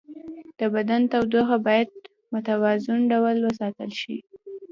د بدن تودوخه باید په متوازن ډول وساتل شي.